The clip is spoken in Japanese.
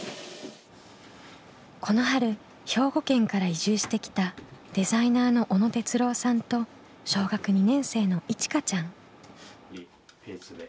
この春兵庫県から移住してきたデザイナーの小野哲郎さんと小学２年生のいちかちゃん。